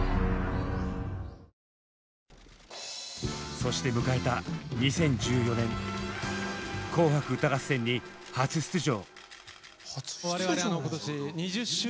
そして迎えた２０１４年「紅白歌合戦」に初出場。